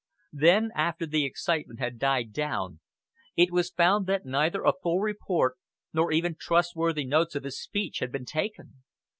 Then, after the excitement had died down, it was found that neither a full report nor even trustworthy notes of his speech had been taken.